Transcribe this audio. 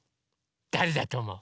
だれだとおもう？